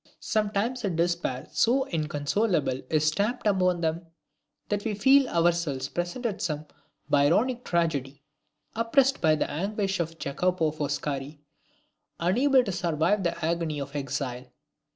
Sometimes a despair so inconsolable is stamped upon them, that we feel ourselves present at some Byronic tragedy, oppressed by the anguish of a Jacopo Foscari, unable to survive the agony of exile.